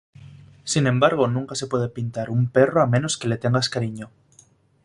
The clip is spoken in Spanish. Sin embargo, nunca se puede pintar un perro a menos que le tengas cariño.